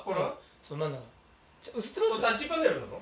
タッチパネルなの？